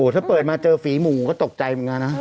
ถ้าเปิดมาเจอฝีหมูก็ตกใจเหมือนกันนะ